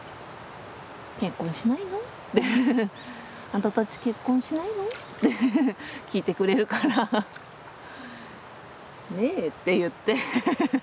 「あんたたち結婚しないの？」って聞いてくれるから「ねえ」って言って。